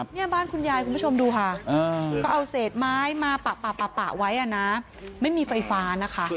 เนี่ยบ้านคุณยายคุณผู้ชมดูค่ะก็เอาเศษไม้มาปะไว้อ่ะนะไม่มีไฟฟ้านะคะ